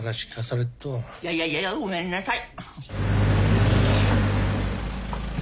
ややややごめんなさい。